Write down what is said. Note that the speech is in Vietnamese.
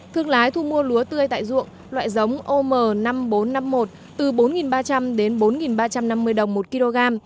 thương lái thu mua lúa tươi tại ruộng loại giống om năm nghìn bốn trăm năm mươi một từ bốn ba trăm linh đến bốn ba trăm năm mươi đồng một kg